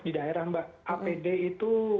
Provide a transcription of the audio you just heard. di daerah mbak apd itu